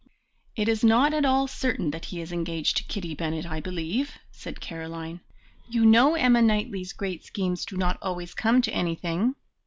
"It is not at all certain that he is engaged to Kitty Bennet, I believe," said Caroline; "you know Emma Knightley's great schemes do not always come to anything."